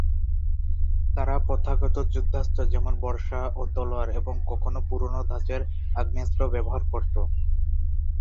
তারা প্রথাগত যুদ্ধাস্ত্র যেমন বর্শা ও তলোয়ার এবং কখনো পুরনো ধাচের আগ্নেয়াস্ত্র ব্যবহার করত।